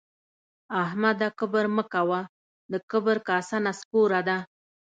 احمده کبر مه کوه؛ د کبر کاسه نسکوره ده